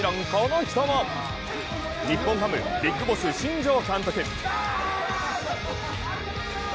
日本ハム、ビッグボス、新庄監督。